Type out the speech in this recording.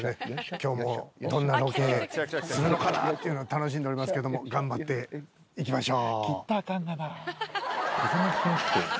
今日もどんなロケするのかなっていうのを楽しんでおりますけども頑張っていきましょう。